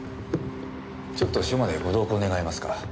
ちょっと署までご同行願えますか？